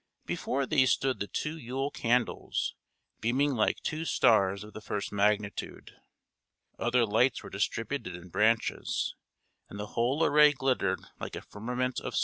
Before these stood the two Yule candles beaming like two stars of the first magnitude; other lights were distributed in branches, and the whole array glittered like a firmament of silver.